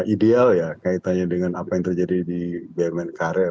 ideal ya kaitannya dengan apa yang terjadi di bumn karya